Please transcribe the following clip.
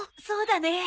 そうだね。